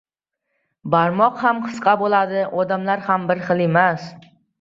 • Barmoq ham qisqa bo‘ladi, odamlar ham bir xil emas.